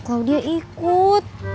klau dia ikut